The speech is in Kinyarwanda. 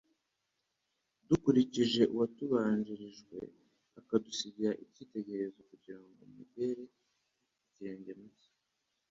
dukurikije “uwatubabarijwe akadusigira icyitegererezo, kugira ngo mugere ikirenge mu cye.